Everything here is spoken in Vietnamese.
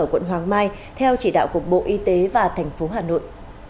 ở quận hoàng mai theo chỉ đạo của bộ y tế và thành phố hà nội